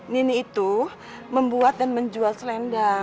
nini itu membuat dan menjual selendang